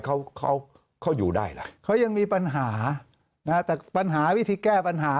เขาเขาอยู่ได้ล่ะเขายังมีปัญหานะฮะแต่ปัญหาวิธีแก้ปัญหา